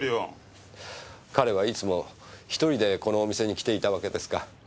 彼はいつも１人でこのお店に来ていたわけですか？